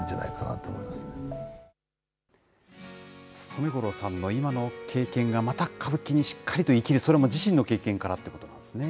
染五郎さんの今の経験がまた歌舞伎にしっかりと生きる、それも自身の経験からってことなんですね。